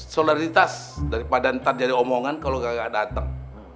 solidaritas daripada ntar jadi omongan kalau gak datang